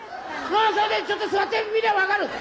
ちょっと座ってみりゃ分かる。